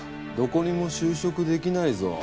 どこにも就職出来ないぞ。